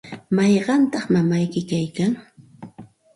¿mayqantaq mamayki kaykan?